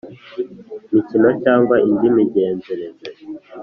mikino cyangwa indi migenzereze